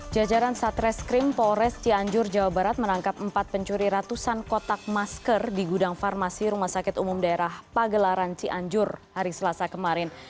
jajaran satreskrim polres cianjur jawa barat menangkap empat pencuri ratusan kotak masker di gudang farmasi rumah sakit umum daerah pagelaran cianjur hari selasa kemarin